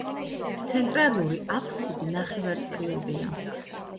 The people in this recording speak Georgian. ცენტრალური აფსიდი ნახევარწრიულია.